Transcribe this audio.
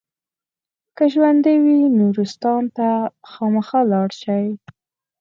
که ژوندي وي نورستان ته خامخا لاړ شئ.